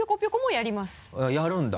やるんだ。